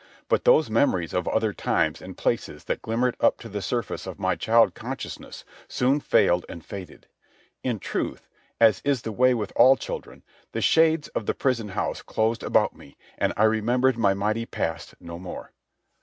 But those memories of other times and places that glimmered up to the surface of my child consciousness soon failed and faded. In truth, as is the way with all children, the shades of the prison house closed about me, and I remembered my mighty past no more.